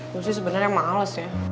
gue sih sebenernya males ya